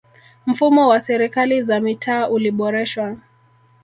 mfumo wa serikali za mitaa uliboreshwa